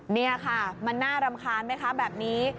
นี่ค่ะมันน่ารำคาญไหมคะแบบนี้